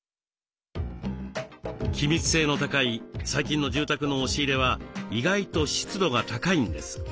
気密性の高い最近の住宅の押し入れは意外と湿度が高いんです。